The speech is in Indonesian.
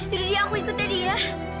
yaudah aku ikut tadi ya